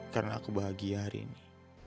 karena aku bahagia hari ini